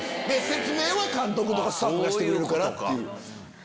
説明は監督とかスタッフがしてくれるからっていう。